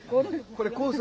これコース。